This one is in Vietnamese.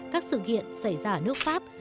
các sự kiện xảy ra ở nước pháp